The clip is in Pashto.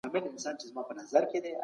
همېشه خوشحاله اوسې.